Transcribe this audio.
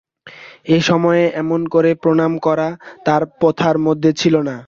এ সময়ে এমন করে প্রণাম করা তার প্রথার মধ্যে ছিল না।